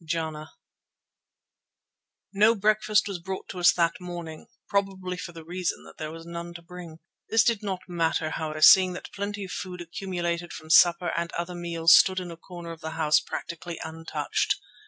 JANA No breakfast was brought to us that morning, probably for the reason that there was none to bring. This did not matter, however, seeing that plenty of food accumulated from supper and other meals stood in a corner of the house practically untouched.